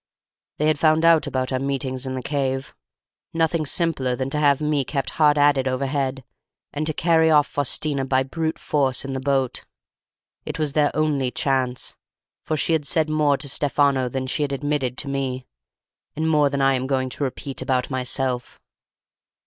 They had found out about our meetings in the cave: nothing simpler than to have me kept hard at it overhead and to carry off Faustina by brute force in the boat. It was their only chance, for she had said more to Stefano than she had admitted to me, and more than I am going to repeat about myself.